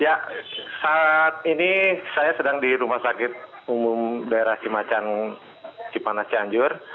ya saat ini saya sedang di rumah sakit umum daerah cimacan cipanas cianjur